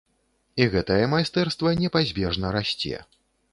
І гэтае майстэрства непазбежна расце.